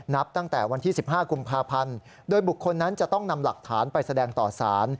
นับตั้งแต่วันที่๑๕กุมภาพันธ์โดยบุคคลนั้นจะต้องนำหลักฐานไปแสดงต่อสาร